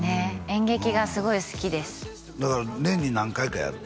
演劇がすごい好きですだから年に何回かやる？